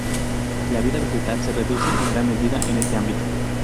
La vida vegetal se reduce en gran medida en este ámbito.